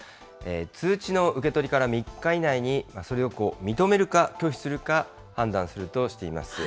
通知の受け取りから３日以内に、それを認めるか、拒否するか、判断するとしています。